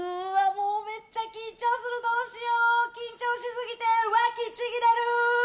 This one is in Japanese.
もうめっちゃ緊張するどうしよう緊張しすぎてわきちぎれる！